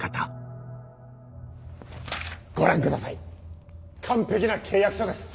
ご覧下さい完璧な契約書です！